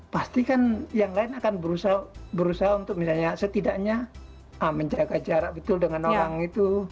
pasti kan yang lain akan berusaha untuk misalnya setidaknya menjaga jarak betul dengan orang itu